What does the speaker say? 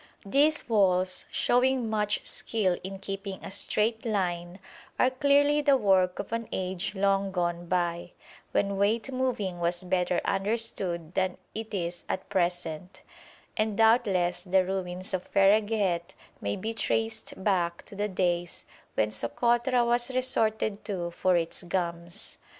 These walls, showing much skill in keeping a straight line, are clearly the work of an age long gone by, when weight moving was better understood than it is at present, and doubtless the ruins of Fereghet may be traced back to the days when Sokotra was resorted to for its gums.